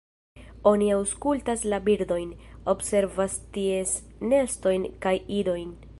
Oni aŭskultas la birdojn, observas ties nestojn kaj idojn.